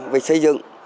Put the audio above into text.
về xây dựng